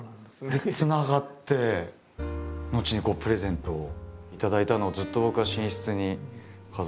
でつながって後にプレゼントを頂いたのをずっと僕は寝室に飾らせて。